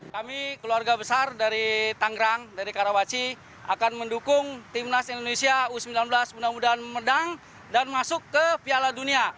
kami keluarga besar dari tanggrang dari karawaci akan mendukung timnas indonesia u sembilan belas mudah mudahan memenang dan masuk ke piala dunia